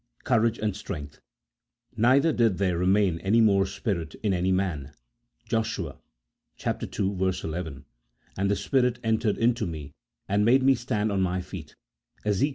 Courage and strength: "Neither did there remain any more spirit in any man," Josh. ii. 11 ; "And the spirit entered into me, and made me stand on my feet," Ezek.